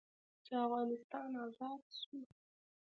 چې افغانستان ازاد سو.